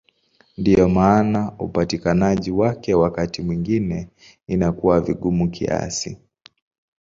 Ndiyo maana upatikanaji wake wakati mwingine inakuwa vigumu kiasi.